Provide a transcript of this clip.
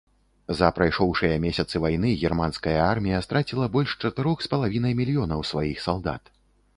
За прайшоўшыя месяцы вайны германская армія страціла больш чатырох з палавінай мільёнаў сваіх салдат.